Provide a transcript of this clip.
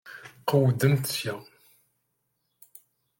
Qewwdemt sya!